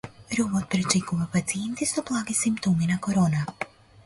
Робот пречекува пациенти со благи симптоми на Корона